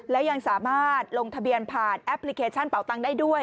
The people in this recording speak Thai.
และยังสามารถลงทะเบียนผ่านแอปพลิเคชันเป่าตังค์ได้ด้วย